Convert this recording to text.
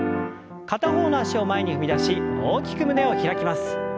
片方の脚を前に踏み出し大きく胸を開きます。